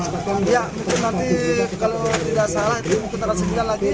ya mungkin nanti kalau tidak salah mungkin terhasilkan lagi